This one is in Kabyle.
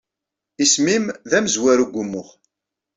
Isem-nnem d amezwaru deg wumuɣ.